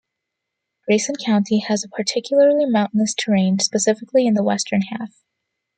Grayson County has a particularly mountainous terrain, specifically in the western half.